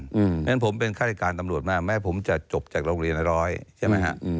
เพราะฉะนั้นผมเป็นฆาติการตำรวจมาแม้ผมจะจบจากโรงเรียนร้อยใช่ไหมฮะ